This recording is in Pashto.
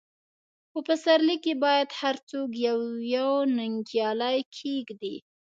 په پسرلي کې باید هر څوک یو، یو نیالګی کښېږدي.